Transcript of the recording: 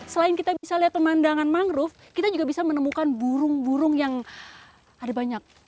selain kita bisa lihat pemandangan mangrove kita juga bisa menemukan burung burung yang ada banyak